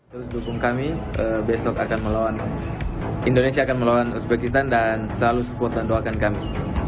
terus dukung kami besok akan melawan indonesia akan melawan uzbekistan dan selalu support dan doakan kami